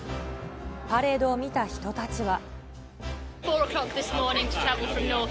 パレードを見た人たちは。